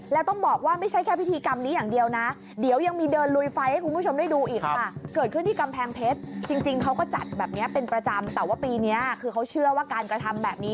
แบบเนี้ยเป็นประจำแต่ว่าปีเนี้ยคือเขาเชื่อว่าการกระทำแบบนี้